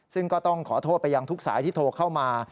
ซึ่งก็ต้องขอโทษไปยังทุกสายที่โทรเข้ามา